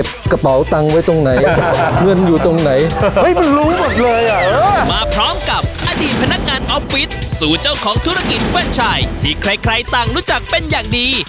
จะหัวอยู่ตรงไหนไอ้เป็นรู้หมดเลยอ่ะมาพร้อมกับอดีตพนักงานออฟฟิศสู่เจ้าของธุรกิจใช่ที่ใครใครต่างรู้จักเป็นอย่างดี